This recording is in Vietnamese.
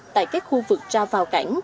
tại các khu vực ra vào cảng